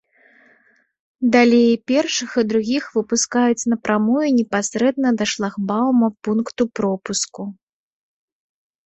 Далей і першых, і другіх выпускаюць на прамую непасрэдна да шлагбаума пункту пропуску.